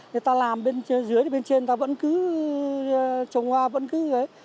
thì ta làm bên dưới thì bên trên ta vẫn cứ trồng hoa vẫn cứ